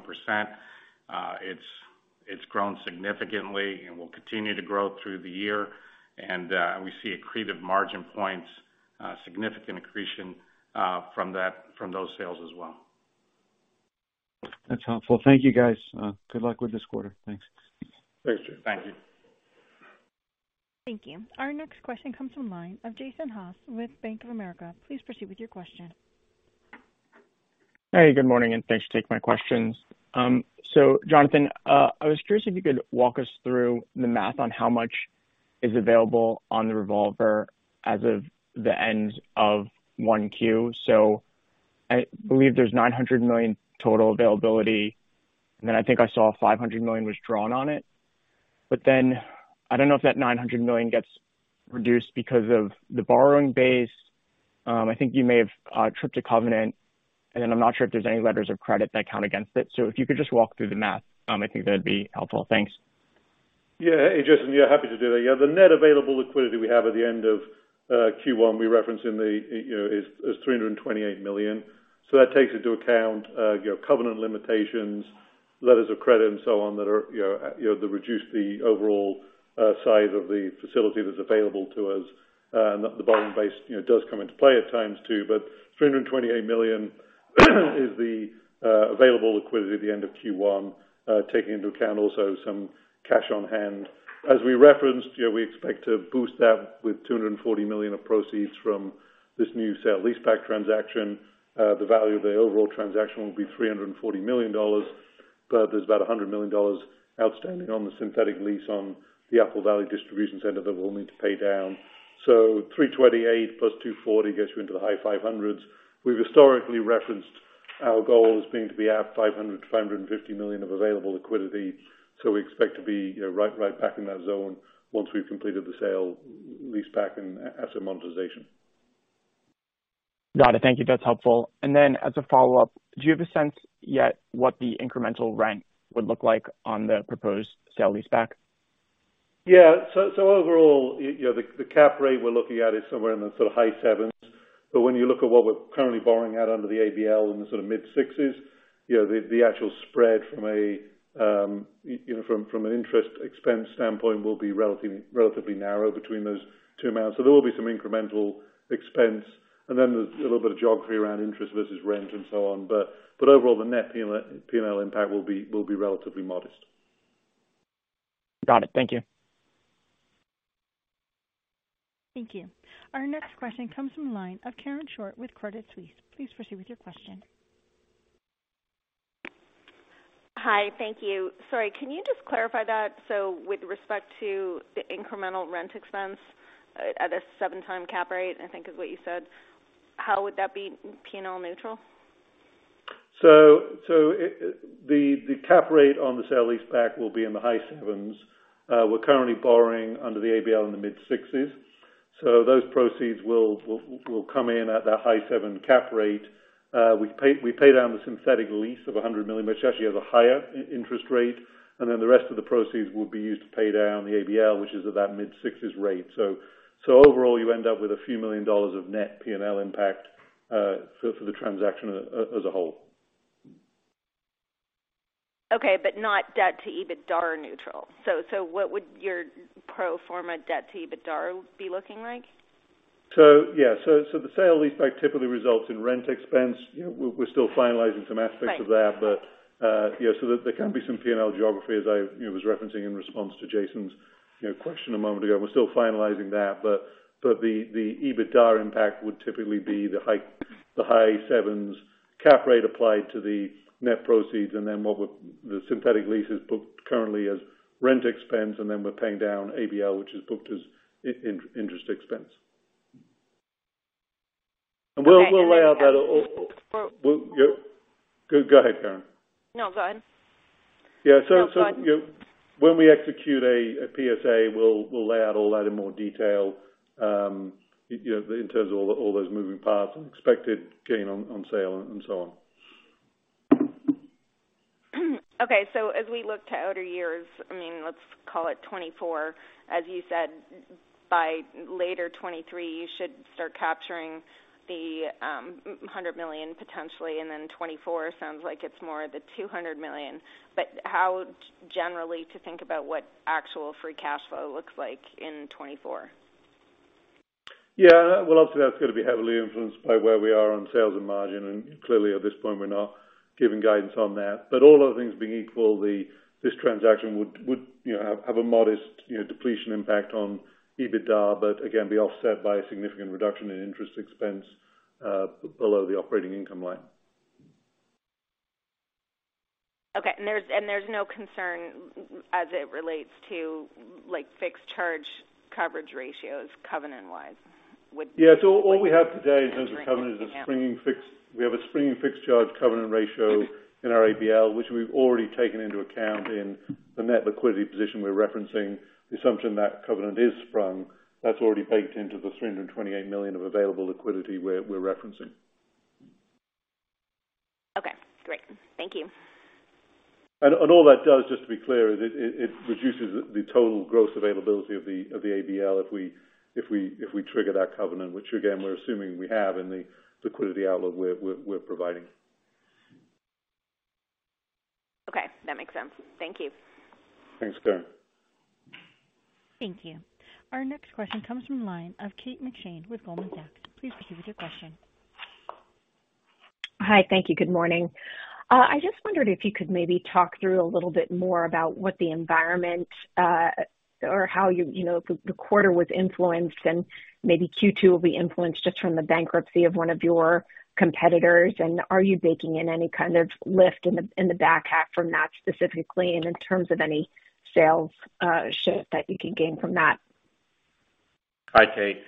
Speaker 2: It's grown significantly and will continue to grow through the year. We see accretive margin points, significant accretion from that, from those sales as well.
Speaker 7: That's helpful. Thank you, guys. Good luck with this quarter. Thanks.
Speaker 2: Thanks, Joe. Thank you.
Speaker 4: Thank you. Our next question comes from the line of Jason Haas with Bank of America. Please proceed with your question.
Speaker 8: Hey, good morning, and thanks for taking my questions. Jonathan, I was curious if you could walk us through the math on how much is available on the revolver as of the end of Q1. I believe there's $900 million total availability, and then I think I saw $500 million was drawn on it. I don't know if that $900 million gets reduced because of the borrowing base. I think you may have tripped a covenant, and then I'm not sure if there's any letters of credit that count against it. If you could just walk through the math, I think that'd be helpful. Thanks.
Speaker 3: Hey, Jason, yeah, happy to do that. The net available liquidity we have at the end of Q1, we reference in the, you know, is $328 million. That takes into account, you know, covenant limitations, letters of credit and so on, that are, you know, that reduce the overall size of the facility that's available to us. The borrowing base, you know, does come into play at times too. $328 million is the available liquidity at the end of Q1, taking into account also some cash on hand. As we referenced, you know, we expect to boost that with $240 million of proceeds from this new sale-leaseback transaction. The value of the overall transaction will be $340 million, there's about $100 million outstanding on the synthetic lease on the Apple Valley distribution center that we'll need to pay down. 328 plus 240 gets you into the high five hundreds. We've historically referenced our goal as being to be at $500 million-$550 million of available liquidity. We expect to be, you know, right back in that zone once we've completed the sale-leaseback and asset monetization.
Speaker 8: Got it. Thank you. That's helpful. As a follow-up, do you have a sense yet what the incremental rent would look like on the proposed sale-leaseback?
Speaker 3: Overall, you know, the cap rate we're looking at is somewhere in the sort of high 7s. When you look at what we're currently borrowing at under the ABL in the sort of mid 6s, you know, the actual spread from a, you know, from an interest expense standpoint, will be relatively narrow between those two amounts. There will be some incremental expense, and then there's a little bit of geography around interest versus rent and so on. Overall, the net PNL impact will be relatively modest.
Speaker 8: Got it. Thank you.
Speaker 4: Thank you. Our next question comes from the line of Karen Short with Credit Suisse. Please proceed with your question.
Speaker 9: Hi, thank you. Sorry, can you just clarify that? With respect to the incremental rent expense at a 7 time cap rate, I think is what you said, how would that be PNL neutral?
Speaker 3: The cap rate on the sale-leaseback will be in the high 7s. We're currently borrowing under the ABL in the mid-60s. Those proceeds will come in at that high 7 cap rate. We pay down the synthetic lease of $100 million, which actually has a higher interest rate. The rest of the proceeds will be used to pay down the ABL, which is at that mid-60s rate. Overall, you end up with a few million dollars of net PNL impact for the transaction as a whole.
Speaker 9: Okay, not debt to EBITDA neutral. What would your pro forma debt to EBITDA be looking like?
Speaker 3: Yeah. The sale-leaseback typically results in rent expense. You know, we're still finalizing some aspects of that.
Speaker 9: Right.
Speaker 3: There can be some PNL geography, as I, you know, was referencing in response to Jason's, you know, question a moment ago. We're still finalizing that, but the EBITDA impact would typically be the high 7s cap rate applied to the net proceeds. The synthetic lease is booked currently as rent expense, and then we're paying down ABL, which is booked as interest expense.
Speaker 9: Okay.
Speaker 3: we'll lay out that. Go ahead, Karen.
Speaker 9: No, go ahead....
Speaker 3: You know, when we execute a PSA, we'll lay out all that in more detail, you know, in terms of all those moving parts and expected gain on sale.
Speaker 9: As we look to outer years, I mean, let's call it 2024, as you said, by later 2023, you should start capturing the $100 million potentially, and then 2024 sounds like it's more of the $200 million. How generally to think about what actual free cash flow looks like in 2024?
Speaker 3: Yeah, well, obviously, that's going to be heavily influenced by where we are on sales and margin, and clearly, at this point, we're not giving guidance on that. All other things being equal, this transaction would, you know, have a modest, you know, depletion impact on EBITDA, but again, be offset by a significant reduction in interest expense below the operating income line.
Speaker 9: Okay, there's no concern as it relates to, like, fixed charge coverage ratios, covenant-wise?
Speaker 3: All we have today in terms of covenant is a springing fixed. We have a springing fixed charge covenant ratio in our ABL, which we've already taken into account in the net liquidity position we're referencing. The assumption that covenant is sprung, that's already baked into the $328 million of available liquidity we're referencing.
Speaker 9: Okay, great. Thank you.
Speaker 3: All that does, just to be clear, is it reduces the total gross availability of the ABL if we trigger that covenant, which again, we're assuming we have in the liquidity outlook we're providing.
Speaker 9: Okay, that makes sense. Thank you.
Speaker 3: Thanks, Karen.
Speaker 4: Thank you. Our next question comes from the line of Kate McShane with Goldman Sachs. Please proceed with your question.
Speaker 10: Hi, thank you. Good morning. I just wondered if you could maybe talk through a little bit more about what the environment, or how you know, the quarter was influenced, and maybe Q2 will be influenced just from the bankruptcy of one of your competitors? Are you baking in any kind of lift in the, in the back half from that specifically, and in terms of any sales, shift that you can gain from that?
Speaker 2: Hi, Kate.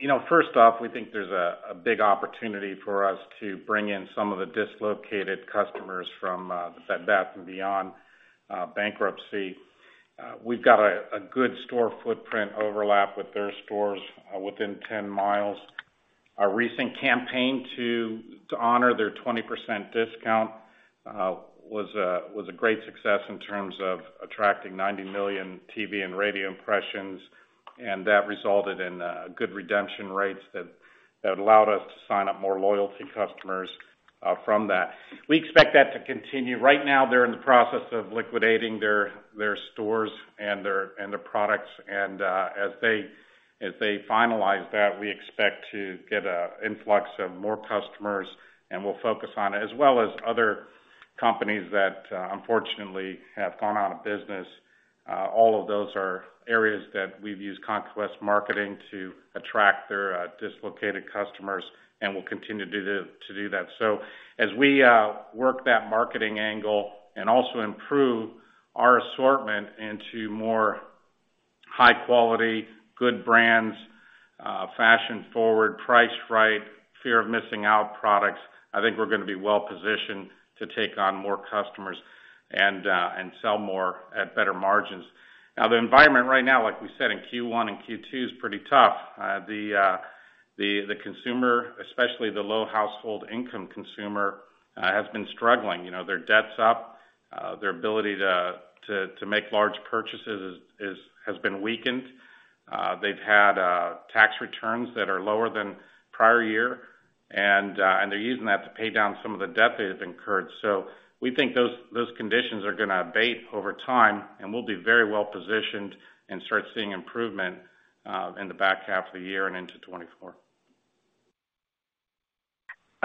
Speaker 2: You know, first off, we think there's a big opportunity for us to bring in some of the dislocated customers from the Bed Bath & Beyond bankruptcy. We've got a good store footprint overlap with their stores within 10 miles. Our recent campaign to honor their 20% discount was a great success in terms of attracting 90 million TV and radio impressions, and that resulted in good redemption rates that allowed us to sign up more loyalty customers from that. We expect that to continue. Right now, they're in the process of liquidating their stores and their products. As they finalize that, we expect to get a influx of more customers, and we'll focus on, as well as other companies that, unfortunately, have gone out of business. All of those are areas that we've used conquest marketing to attract their dislocated customers, and we'll continue to do that. As we work that marketing angle and also improve our assortment into more high quality, good brands, fashion forward, price right, fear of missing out products, I think we're gonna be well positioned to take on more customers and sell more at better margins. The environment right now, like we said, in Q1 and Q2, is pretty tough. The consumer, especially the low household income consumer, has been struggling. You know, their debt's up, their ability to make large purchases has been weakened. They've had tax returns that are lower than prior year, and they're using that to pay down some of the debt they have incurred. We think those conditions are gonna abate over time, and we'll be very well positioned and start seeing improvement in the back half of the year and into 2024.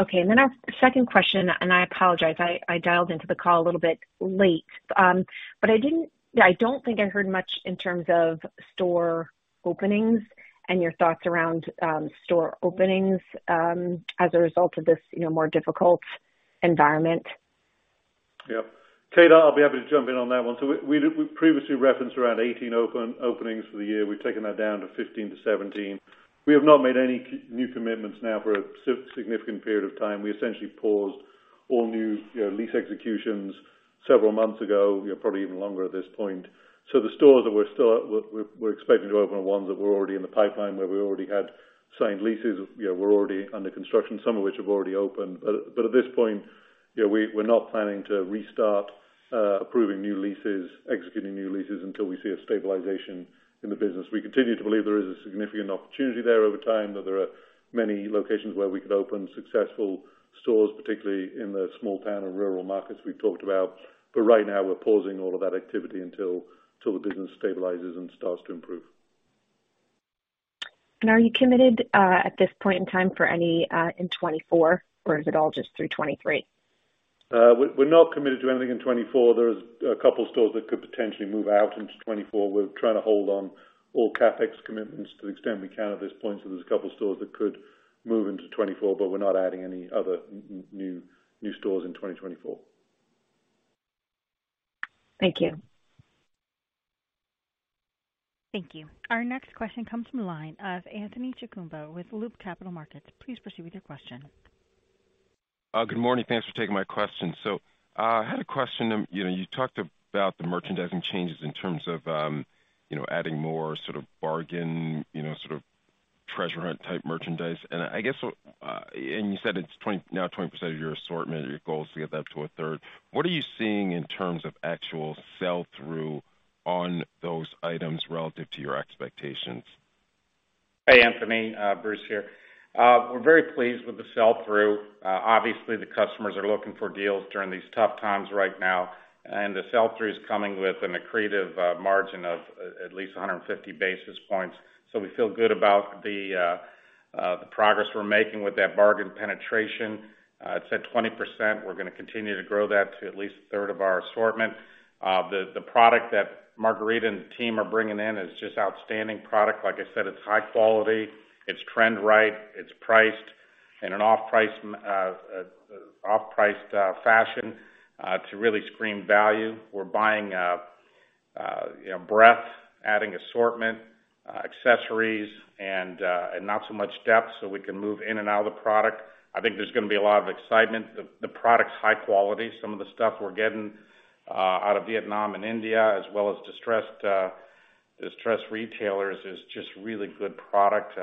Speaker 10: Okay, our second question, and I apologize, I dialed into the call a little bit late. I don't think I heard much in terms of store openings and your thoughts around store openings as a result of this, you know, more difficult environment.
Speaker 3: Yep. Kate, I'll be able to jump in on that one. We previously referenced around 18 openings for the year. We've taken that down to 15-17. We have not made any new commitments now for a significant period of time. We essentially paused all new, you know, lease executions several months ago, you know, probably even longer at this point. The stores that we're still expecting to open are ones that were already in the pipeline, where we already had signed leases, you know, were already under construction, some of which have already opened. At this point, you know, we're not planning to restart approving new leases, executing new leases until we see a stabilization in the business. We continue to believe there is a significant opportunity there over time, that there are many locations where we could open successful stores, particularly in the small town and rural markets we've talked about. Right now, we're pausing all of that activity until the business stabilizes and starts to improve.
Speaker 10: Are you committed at this point in time for any in 2024, or is it all just through 2023?
Speaker 3: We're not committed to anything in 2024. There's a couple stores that could potentially move out into 2024. We're trying to hold on all CapEx commitments to the extent we can at this point. There's a couple stores that could move into 2024, we're not adding any other new stores in 2024.
Speaker 10: Thank you.
Speaker 4: Thank you. Our next question comes from the line of Anthony Chukumba with Loop Capital Markets. Please proceed with your question.
Speaker 11: Good morning. Thanks for taking my question. I had a question. You know, you talked about the merchandising changes in terms of, you know, adding more sort of bargain, you know, sort of treasure hunt type merchandise. I guess, and you said it's now 20% of your assortment, your goal is to get that to a third. What are you seeing in terms of actual sell-through on those items relative to your expectations?
Speaker 2: Hey, Anthony, Bruce here. We're very pleased with the sell-through. Obviously, the customers are looking for deals during these tough times right now, and the sell-through is coming with an accretive margin of at least 150 basis points. We feel good about the progress we're making with that bargain penetration. It's at 20%. We're gonna continue to grow that to at least 1/3 of our assortment. The product that Margarita and the team are bringing in is just outstanding product. Like I said, it's high quality, it's trend-right, it's priced in an off-price, off-priced fashion to really scream value. We're buying, you know, breadth, adding assortment, accessories, and not so much depth, so we can move in and out of the product. I think there's gonna be a lot of excitement. The product's high quality. Some of the stuff we're getting out of Vietnam and India, as well as distressed retailers, is just really good product.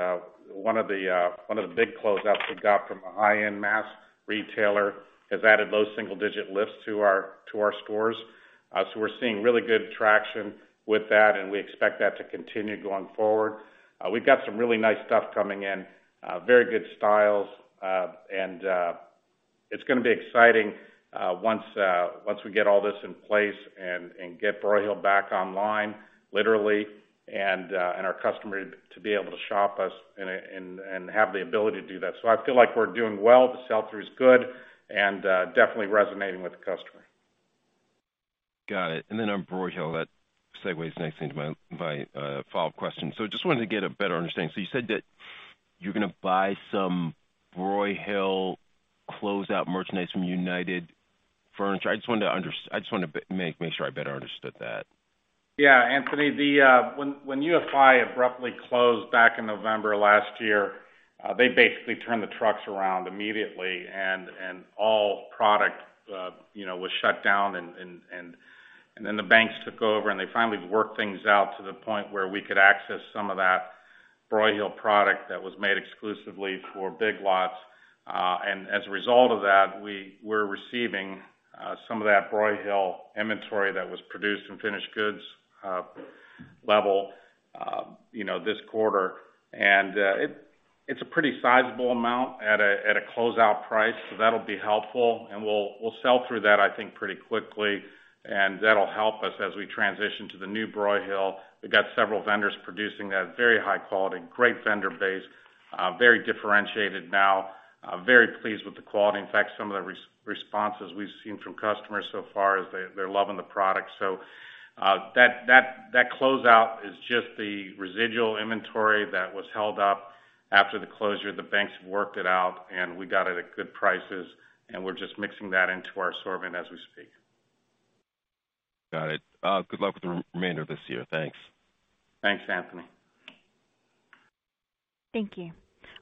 Speaker 2: One of the big close-outs we've got from a high-end mass retailer has added low single-digit lifts to our stores. We're seeing really good traction with that, and we expect that to continue going forward. We've got some really nice stuff coming in, very good styles, and it's gonna be exciting once we get all this in place and get Broyhill back online, literally, and our customer to be able to shop us and have the ability to do that. I feel like we're doing well. The sell-through is good and, definitely resonating with the customer.
Speaker 11: Got it. On Broyhill, that segues nicely into my follow-up question. Just wanted to get a better understanding. You said that you're gonna buy some Broyhill closeout merchandise from United Furniture. I just wanted to make sure I better understood that.
Speaker 2: Yeah, Anthony, the... when UFI abruptly closed back in November of last year, they basically turned the trucks around immediately, and all product, you know, was shut down, and then the banks took over, and they finally worked things out to the point where we could access some of that Broyhill product that was made exclusively for Big Lots. As a result of that, we're receiving some of that Broyhill inventory that was produced in finished goods level, you know, this quarter. It's a pretty sizable amount at a closeout price, so that'll be helpful, and we'll sell through that, I think, pretty quickly, and that'll help us as we transition to the new Broyhill. We've got several vendors producing that, very high quality, great vendor base, very differentiated now. Very pleased with the quality. In fact, some of the responses we've seen from customers so far is they're loving the product. That closeout is just the residual inventory that was held up after the closure. The banks worked it out, and we got it at good prices, and we're just mixing that into our assortment as we speak.
Speaker 11: Got it. Good luck with the remainder of this year. Thanks.
Speaker 2: Thanks, Anthony.
Speaker 4: Thank you.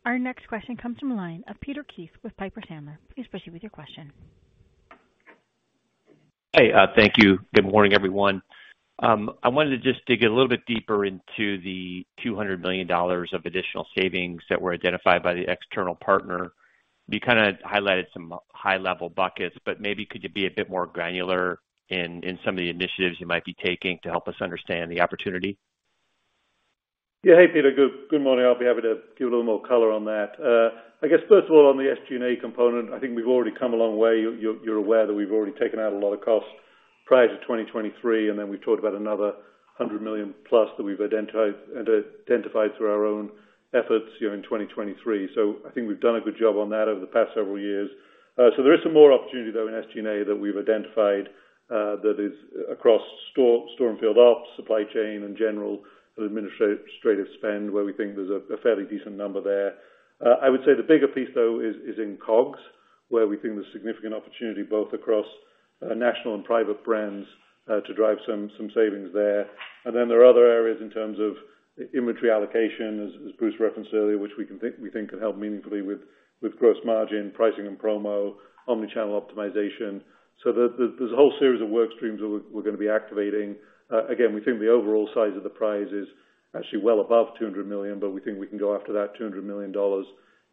Speaker 4: Our next question comes from the line of Peter Keith with Piper Sandler. Please proceed with your question.
Speaker 12: Hey, thank you. Good morning, everyone. I wanted to just dig a little bit deeper into the $200 million of additional savings that were identified by the external partner. You kind of highlighted some high-level buckets, but maybe could you be a bit more granular in some of the initiatives you might be taking to help us understand the opportunity?
Speaker 3: Hey, Peter. Good morning. I'll be happy to give a little more color on that. I guess, first of all, on the SG&A component, I think we've already come a long way. You're aware that we've already taken out a lot of costs prior to 2023, we've talked about another $100 million plus that we've identified through our own efforts, you know, in 2023. I think we've done a good job on that over the past several years. There is some more opportunity, though, in SG&A that we've identified, that is across store and field ops, supply chain in general, and administrative spend, where we think there's a fairly decent number there. I would say the bigger piece, though, is in COGS, where we think there's significant opportunity both across national and private brands, to drive some savings there. There are other areas in terms of inventory allocation, as Bruce referenced earlier, which we think can help meaningfully with gross margin, pricing and promo, omni-channel optimization. There's a whole series of work streams that we're gonna be activating. Again, we think the overall size of the prize is actually well above $200 million, but we think we can go after that $200 million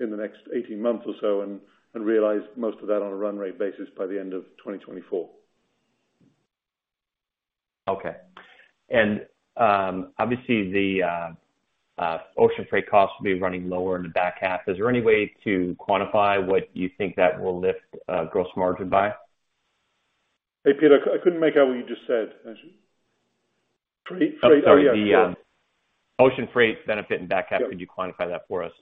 Speaker 3: in the next 18 months or so and realize most of that on a run rate basis by the end of 2024.
Speaker 12: Okay. Obviously, the ocean freight costs will be running lower in the back half. Is there any way to quantify what you think that will lift gross margin by?
Speaker 3: Hey, Peter, I couldn't make out what you just said. Freight? Oh, yeah.
Speaker 12: The, ocean freight benefit in back half, could you quantify that for us?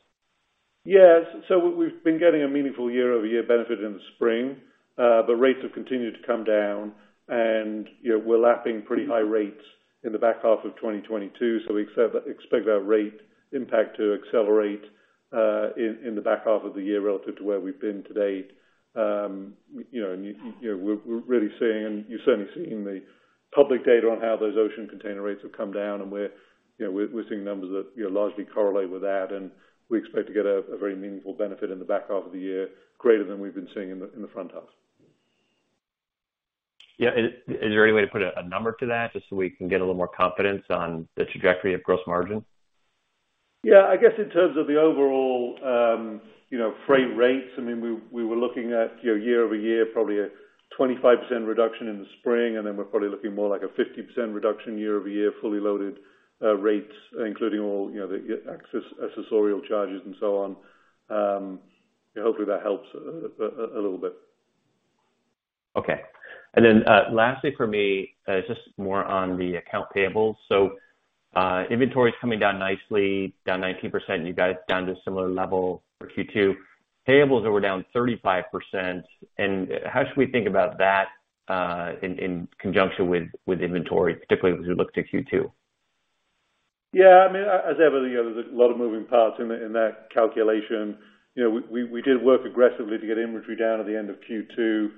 Speaker 3: Yes. We've been getting a meaningful year-over-year benefit in the spring. Rates have continued to come down, and, you know, we're lapping pretty high rates in the back half of 2022. We expect that rate impact to accelerate in the back half of the year relative to where we've been to date. You know, and you, we're really seeing, and you're certainly seeing in the public data on how those ocean container rates have come down, and you know, we're seeing numbers that, you know, largely correlate with that, and we expect to get a very meaningful benefit in the back half of the year, greater than we've been seeing in the front half.
Speaker 12: Yeah. Is there any way to put a number to that, just so we can get a little more confidence on the trajectory of gross margin?
Speaker 3: Yeah, I guess in terms of the overall, you know, freight rates, I mean, we were looking at, you know, year-over-year, probably a 25% reduction in the spring, and then we're probably looking more like a 50% reduction year-over-year, fully loaded, rates, including all, you know, the accessorial charges and so on. Hopefully, that helps a little bit.
Speaker 12: Okay. Lastly for me, just more on the account payables. Inventory is coming down nicely, down 19%. You got it down to a similar level for Q2. Payables were down 35%, and how should we think about that in conjunction with inventory, particularly as we look to Q2?
Speaker 3: Yeah, I mean, as ever, you know, there's a lot of moving parts in that calculation. You know, we did work aggressively to get inventory down at the end of Q2.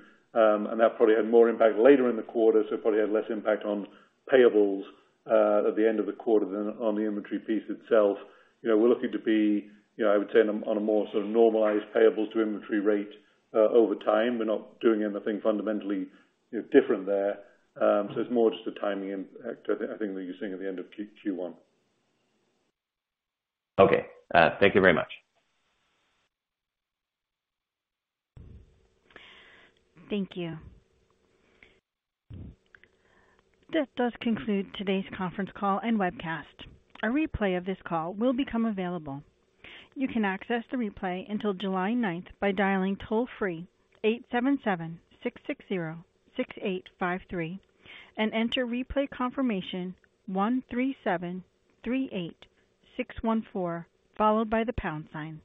Speaker 3: That probably had more impact later in the quarter, so it probably had less impact on payables at the end of the quarter than on the inventory piece itself. You know, we're looking to be, you know, I would say, on a more sort of normalized payables to inventory rate over time. We're not doing anything fundamentally, you know, different there. It's more just a timing impact, I think, that you're seeing at the end of Q1.
Speaker 12: Okay. Thank you very much.
Speaker 4: Thank you. This does conclude today's conference call and webcast. A replay of this call will become available. You can access the replay until July ninth by dialing toll-free 877-660-6853 and enter replay confirmation 13738614, followed by the pound sign.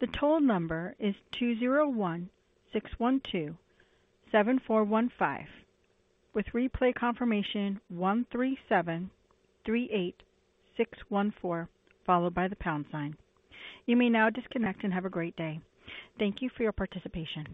Speaker 4: The toll number is 201-612-7415, with replay confirmation 13738614, followed by the pound sign. You may now disconnect and have a great day. Thank you for your participation.